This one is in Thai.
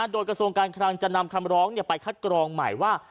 โดยกระทรวงการคลังจะนำคำร้องไปคัดกรองใหม่ว่า